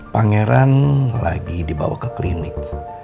pangeran lagi dibawa ke klinik